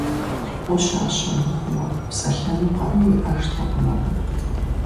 Ӏущащэ мыхъумэ, псэлъэну къару иӀэжтэкъым абы.